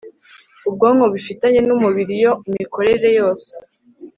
ubwonko bufitanye numubiri Iyo imikorere yose